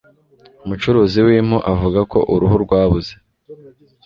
umucuruzi w'impu avuga ko uruhu rwabuze